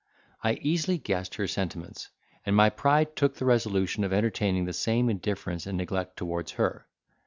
I easily guessed her sentiments, and my pride took the resolution of entertaining the same indifference and neglect towards her.